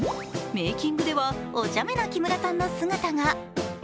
メーキングではおちゃめな木村さんの姿が。